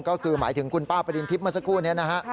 ก็คือหมายถึงกุญป้าประดินทิพย์เมื่อสักครู่นี้